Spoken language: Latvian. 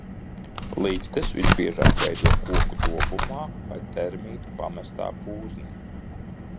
Ligzdas visbiežāk veido koku dobumā vai termītu pamestā pūznī.